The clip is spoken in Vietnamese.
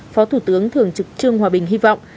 phó thủ tướng thường trực trương hòa bình hy vọng